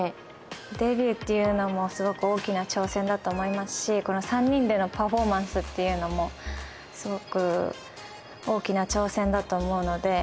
デビューっていうのもすごく大きな挑戦だと思いますしこの３人でのパフォーマンスっていうのもすごく大きな挑戦だと思うので。